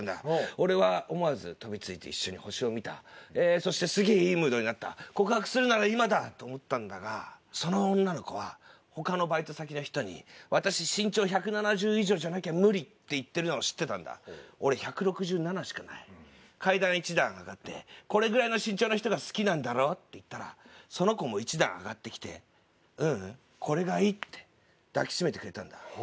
俺は思わず飛びついて一緒に星を見たそしてすげえいいムードになった告白するなら今だと思ったんだがその女の子はほかのバイト先の人に私身長１７０以上じゃなきゃ無理って言ってるのを知ってたんだ俺１６７しかない階段１段上がって「これぐらいの身長の人が好きなんだろ？」って言ったらその子も１段上がってきて「ううんこれがいい」って抱きしめてくれたんだ